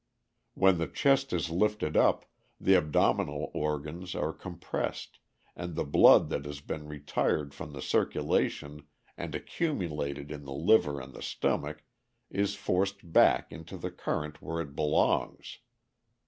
When the chest is lifted up, the abdominal organs are compressed, and the blood that has been retired from the circulation and accumulated in the liver and the stomach is forced back into the current where it belongs.